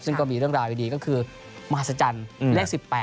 ซึ่งก็มีเรื่องราวดีก็คือมหัศจรรย์เลข๑๘